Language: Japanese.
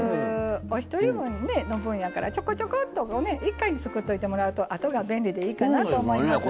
お一人の分やからちょこちょこっと１回に作っておいてもらうとあとが便利でいいかなと思いますね。